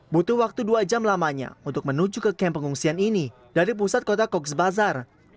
butuh waktu dua jam lamanya untuk menuju ke kamp pengungsian ini dari pusat kota kogsbazar